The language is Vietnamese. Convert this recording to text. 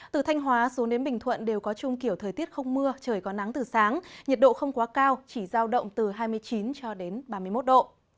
từ thanh hóa xuống đến bình thuận đều có chung kiểu thời tiết không mưa trời có nắng từ sáng nhiệt độ không quá cao chỉ giao động từ hai mươi chín cho đến ba mươi một độ